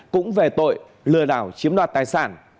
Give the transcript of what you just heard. cũng về tội lừa đảo chiếm đoạt tài sản